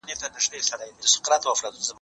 تا چي ول هغه څوک نه لري .